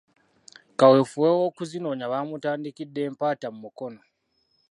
Kaweefube w'okuzinoonya bamutandikidde Mpatta mu Mukono .